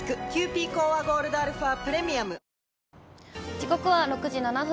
時刻は６時７分。